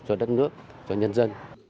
cho đất nước cho nhân dân